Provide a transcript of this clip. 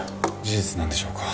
事実なんでしょうか？